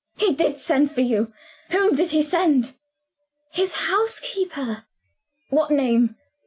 He did send for you. Whom did he send?" "His housekeeper." "What name?"